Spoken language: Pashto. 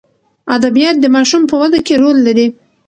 ادبیات د ماشوم په وده کې رول لري.